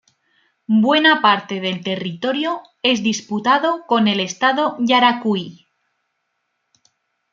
Buena parte del territorio es disputado con el Estado Yaracuy.